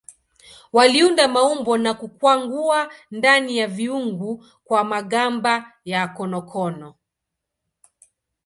Waliunda maumbo na kukwangua ndani ya viungu kwa magamba ya konokono.